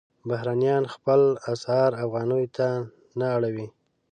بهرنیان خپل اسعار افغانیو ته نه اړوي.